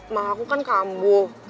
mak aku kan kambuh